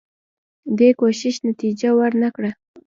دې کوښښ نتیجه ورنه کړه.